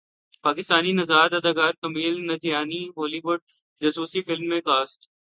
پاکستانی نژاد اداکار Kumail Nanjiani Hollywood جاسوسی فلم میں کاسٹ